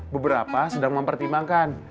beberapa sedang mempertimbangkan